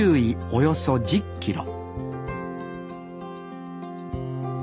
およそ１０キロ